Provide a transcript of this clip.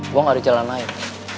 gue gak ada jalan lain